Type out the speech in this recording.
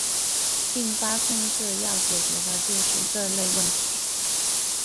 并发控制要解决的就是这类问题。